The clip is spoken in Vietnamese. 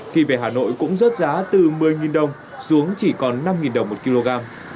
khi về hà nội cũng rớt giá từ một mươi đồng xuống chỉ còn năm đồng một kg